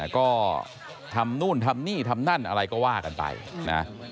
ก็ทำนู่นทำนี่ทำนั่นอะไรก็ว่ากันไปนะ